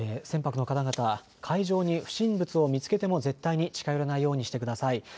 船舶の方々は海上に不審物を見つけても絶対に近寄らないようにしてください。